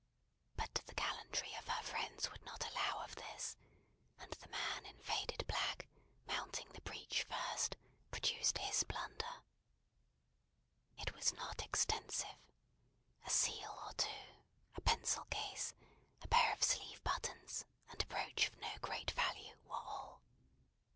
But the gallantry of her friends would not allow of this; and the man in faded black, mounting the breach first, produced his plunder. It was not extensive. A seal or two, a pencil case, a pair of sleeve buttons, and a brooch of no great value, were all.